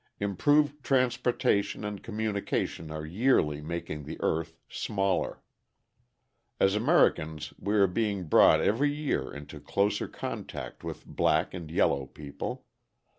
Improved transportation and communication are yearly making the earth smaller. As Americans we are being brought every year into closer contact with black and yellow people.